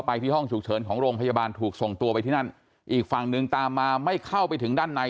ที่ห้องฉุกเฉินของโรงพยาบาลถูกส่งตัวไปที่นั่นอีกฝั่งหนึ่งตามมาไม่เข้าไปถึงด้านใน